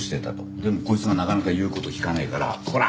でもこいつがなかなか言う事聞かねえから「コラ！」